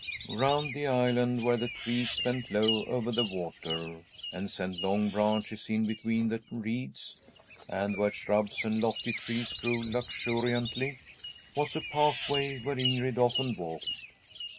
Round the island where the trees bent low over the water, and sent long branches in between the reeds, and where shrubs and lofty trees grew lux uriantly, was a pathway where Ingrid often walked.